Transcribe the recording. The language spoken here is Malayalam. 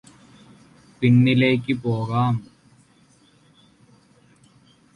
പിന്നിലേയ്ക് പോകാം